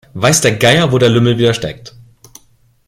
Weiß der Geier, wo der Lümmel wieder steckt.